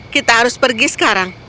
kita harus pergi sekarang